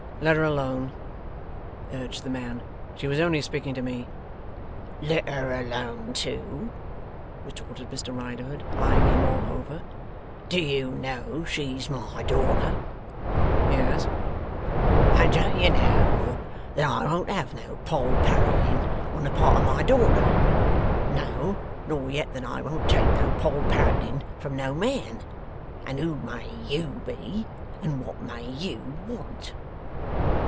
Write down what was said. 'Let her alone,' urged the man. 'She was only speaking to me.' 'Let her alone too!' retorted Mr Riderhood, eyeing him all over. 'Do you know she's my daughter?' 'Yes.' 'And don't you know that I won't have no Poll Parroting on the part of my daughter? No, nor yet that I won't take no Poll Parroting from no man? And who may YOU be, and what may YOU want?